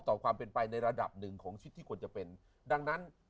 ต่อความเป็นไปในระดับหนึ่งของชีวิตที่ควรจะเป็นดังนั้น